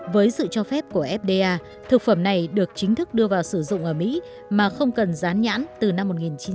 với sự cho phép của fda thực phẩm này được chính thức đưa vào sử dụng ở mỹ mà không cần rán nhãn từ năm một nghìn chín trăm tám mươi